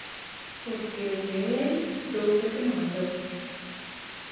Porque o que é el dou fe que non andou.